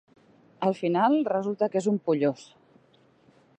Al final, resulta que és un pollós.